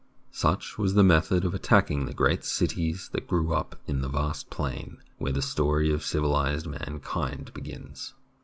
Such was the method of attacking the great cities that grew up in the vast plain where the story of civilised mankind begins.